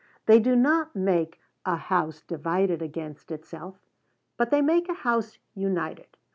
They do not make "a house divided against itself," but they make a house united.